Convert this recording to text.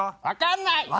わかんない！